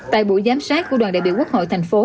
tại buổi giám sát của đoàn đại biểu quốc hội thành phố